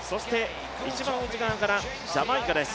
一番内側からジャマイカです。